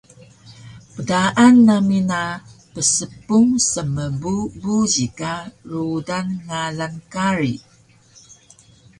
Pdaan nami na pspung smbu buji ka rudan ngalan kari